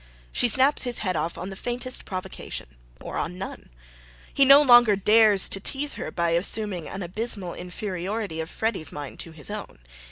She snaps his head off on the faintest provocation, or on none. He no longer dares to tease her by assuming an abysmal inferiority of Freddy's mind to his own.